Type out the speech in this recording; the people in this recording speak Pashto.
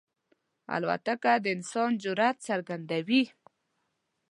الوتکه د انسان جرئت څرګندوي.